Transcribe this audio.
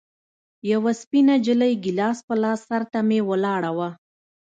يوه سپينه نجلۍ ګيلاس په لاس سر ته مې ولاړه وه.